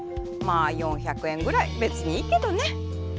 まあ４００円ぐらいべつにいいけどね。